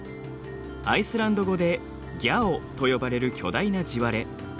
アイスランド語で「ギャオ」と呼ばれる巨大な地割れ。